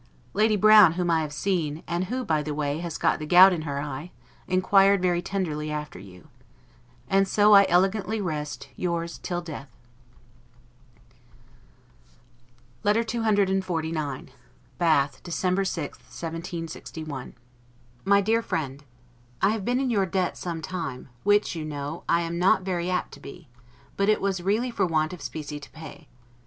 Lady Brown, whom I have seen, and who, by the way, has got the gout in her eye, inquired very tenderly after you. And so I elegantly rest, Yours, till death. LETTER CCXLIX BATH, December 6, 1761. MY DEAR FRIEND: I have been in your debt some time, which, you know, I am not very apt to be: but it was really for want of specie to pay.